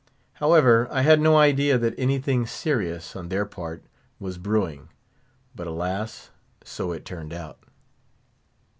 However, I had no idea that anything serious, on their part, was brewing; but alas! so it turned out.